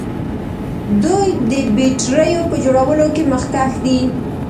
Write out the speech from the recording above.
دوی د بیټریو په جوړولو کې مخکښ دي.